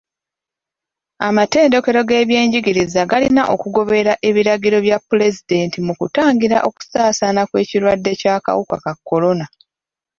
Amatendekero g'ebyenjigiriza galina okugoberera ebiragiro bya pulezidenti mu kutangira okusaasaana kw'ekirwadde ky'akawuka ka kolona.